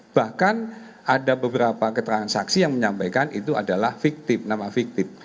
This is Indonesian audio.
bahkan ada beberapa keterangan saksi yang menyampaikan itu adalah fiktif nama fiktif